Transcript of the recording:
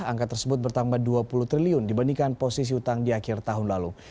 angka tersebut bertambah dua puluh triliun dibandingkan posisi utang di akhir tahun lalu